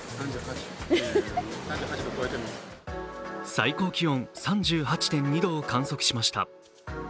最高気温３８．２度を観測しました。